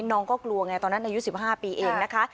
น้องก็กลัวไงตอนนั้นอายุ๑๕ปีเองนะคะ